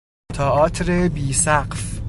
تئاتر بی سقف